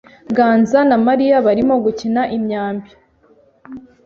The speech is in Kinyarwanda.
Ganza na Mariya barimo gukina imyambi.